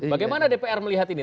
bagaimana dpr melihat ini